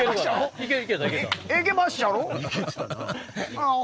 いけまっしゃろ？